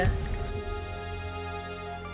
tuh ayuna aja mengakuinya